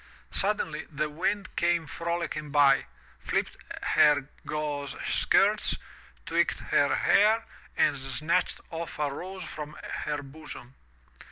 Suddenly the wind came frolicking by, flipped her gauze skirts, tweaked her hair, and snatched off a rose from her bosom.